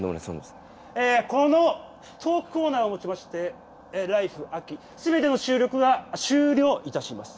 このトークコーナーをもちまして「ＬＩＦＥ！秋」すべての収録は終了いたします。